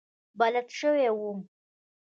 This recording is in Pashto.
بلد شوی وم.